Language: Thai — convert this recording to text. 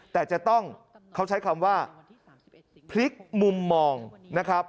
แต่จะต้องเขาใช้คำว่าพลิกมุมมองนะครับ